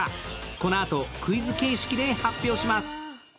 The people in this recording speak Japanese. このあとクイズ形式で発表します。